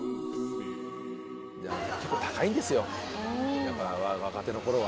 結構高いんですよやっぱ若手の頃は。